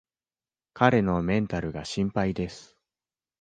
彼のメンタルが心配です